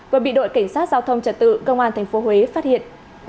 vừa bị đội cảnh sát giao thông trật tự công an tp huế phát hiện